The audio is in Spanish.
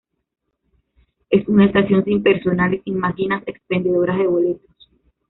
Es una estación sin personal y sin máquinas expendedoras de boletos.